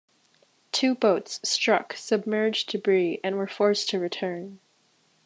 Two boats struck submerged debris and were forced to return.